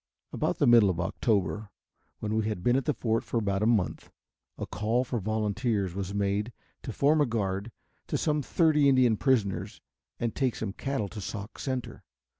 About the middle of October when we had been at the fort about a month, a call for volunteers was made to form a guard to some thirty Indian prisoners and take some cattle to Sauk Center.